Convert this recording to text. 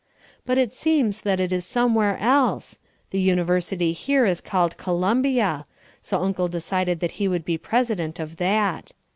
But it seems that it is somewhere else. The University here is called Columbia, so Uncle decided that he would be president of that.